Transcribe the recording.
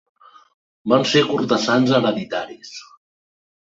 Van ser cortesans hereditaris.